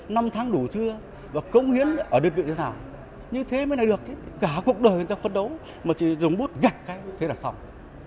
năm tháng đủ chưa và công hiến ở đơn vị như thế nào như thế mới này được cả cuộc đời người ta phấn đấu mà chỉ dùng bút gạch cái thế là xong